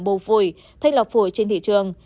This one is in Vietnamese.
bồ phổi thanh lọc phổi trên thị trường